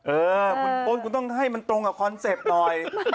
เออคุณโอ๊ตคุณต้องให้มันตรงกับคอนเซ็ปต์หน่อย